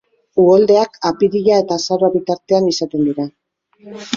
Uholdeak apirila eta azaroa bitartean izaten dira.